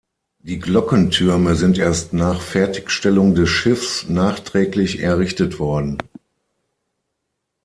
Die Glockentürme sind erst nach Fertigstellung des Schiffs nachträglich errichtet worden.